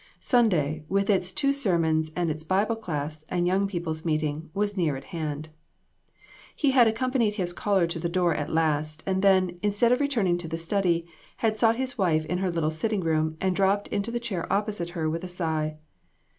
Sunday, with its two sermons and its Bible class and young people's meeting, was near at hand. He had accompanied his caller to the door at last, and then, instead of returning to the study, had sought his wife in her little sitting room and dropped into the chair opposite her with a sigh.